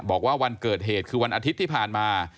บอกว่าวันเกิดเหตุคือวันอาทิตย์ที่ผ่านมา